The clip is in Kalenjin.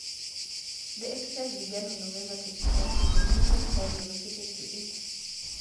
The exercise began on November twenty-first with limited time allocated to it.